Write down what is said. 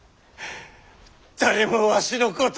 誰もわしのことを！